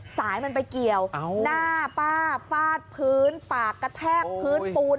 สายมันไปเกี่ยวหน้าป้าฟาดพื้นปากกระแทกพื้นปูน